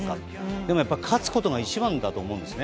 でも勝つことが一番だと思うんですね。